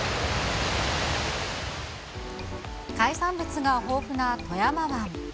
海産物が豊富な富山湾。